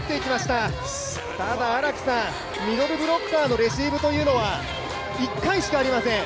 ただミドルブロッカーのレシーブというのは１回しかありません